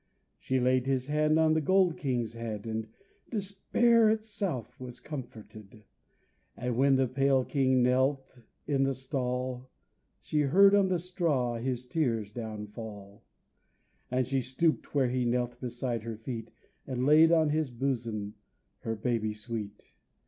She laid His hand on the gold king's head And despair itself was comforted. But when the pale king knelt in the stall She heard on the straw his tears down fall. And she stooped where he knelt beside her feet And laid on his bosom her baby sweet.